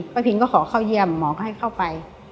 พิงก็ขอเข้าเยี่ยมหมอก็ให้เข้าไป